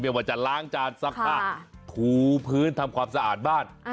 ว่าจะล้างจานซักผ้าถูพื้นทำความสะอาดบ้าน